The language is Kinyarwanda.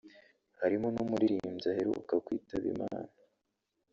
harimo n’umuririmbyi aheruka kwitaba Imana